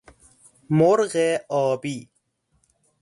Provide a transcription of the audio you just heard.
مرغ آبی